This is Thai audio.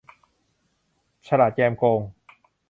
ฉลาดแกมโกง